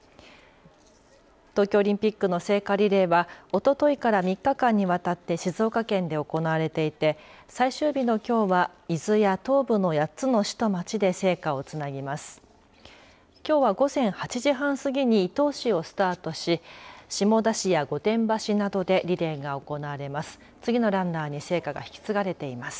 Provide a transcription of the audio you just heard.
東京オリンピックの聖火リレーはおとといから３日間にわたって静岡県で行われていて最終日のきょうは伊豆や東部の８つの市と町で聖火をつなぎます。